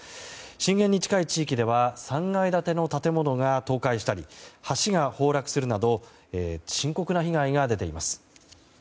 震源に近い地域では３階建ての建物が倒壊したり橋が崩落するなど深刻な被害が出ています。